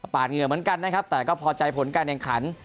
เหงื่อเหมือนกันนะครับแต่ก็พอใจผลการแข่งขัน